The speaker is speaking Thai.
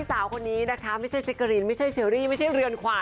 สาวคนนี้นะคะไม่ใช่เจ๊กกะรีนไม่ใช่เชอรี่ไม่ใช่เรือนขวาน